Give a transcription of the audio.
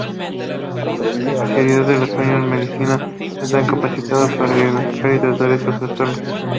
Especialistas en el sueño en Medicina están capacitados para diagnosticar y tratar estos trastornos.